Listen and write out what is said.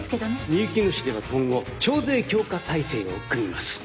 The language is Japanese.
みゆきの市では今後徴税強化体制を組みます。